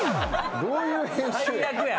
どういう編集や。